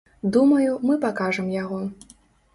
Думаю, мы пакажам яго.